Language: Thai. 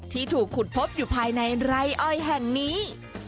ที่ถูกขุดพบอยู่ภายในไร่อ้อยแห่งนี้